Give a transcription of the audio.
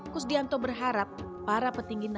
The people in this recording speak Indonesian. kusdianto berharap para petinggi